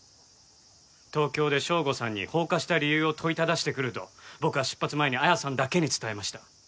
東京で省吾さんに放火した理由を問いただしてくると僕は出発前に彩さんだけに伝えました。